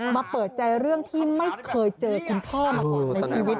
มาเปิดใจเรื่องที่ไม่เคยเจอคุณพ่อมาก่อนในชีวิต